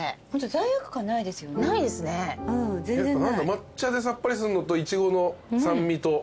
抹茶でさっぱりするのとイチゴの酸味と。